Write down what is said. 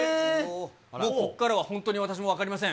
もうここからは本当に私も分かりません。